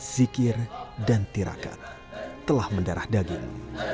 zikir dan tirakat telah mendarah daging